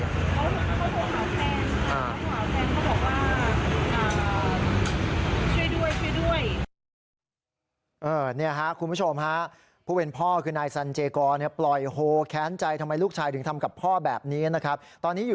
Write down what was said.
ตอนนี้อยู่ในการเปิดประตูรถกระโดดหนีออกมาได้จากนางสาวอโรชาคนนี้